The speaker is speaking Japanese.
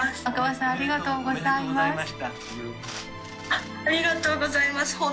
赤羽さんありがとうございます。